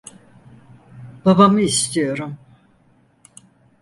Babamı istiyorum.